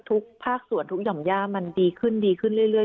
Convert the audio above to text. ภาคส่วนทุกหย่อมย่ามันดีขึ้นดีขึ้นเรื่อย